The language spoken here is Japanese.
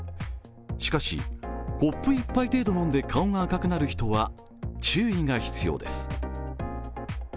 しかし、コップ１杯程度飲んで顔が赤くなる人は注意が必要です。